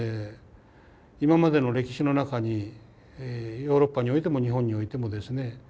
今までの歴史の中にヨーロッパにおいても日本においてもですね